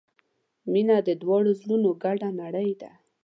• مینه د دواړو زړونو ګډه نړۍ ده.